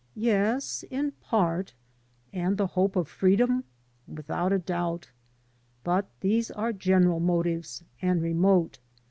Yes, in part. And the hope of freedom? Without a doubt. But these are general motives and remote.